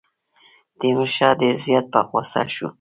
تیمورشاه ډېر زیات په غوسه شو.